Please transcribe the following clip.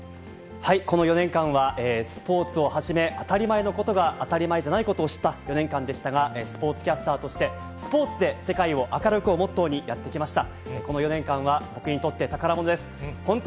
この４年間は、スポーツをはじめ、当たり前のことが当たり前じゃないことを知った４年間でしたが、スポーツキャスターとして、スポーツで世界を明るくをモットーに、やってきました。